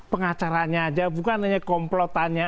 pengacaranya aja bukan hanya komplotannya